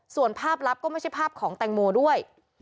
ส่วนภาพลับก็ไม่ใช่ภาพของแตงโมด้วย